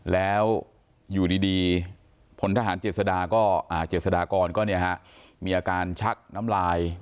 แล้วอยู่ดีพลทหารเจษฎากรก็มีอาการชักน้ำลาย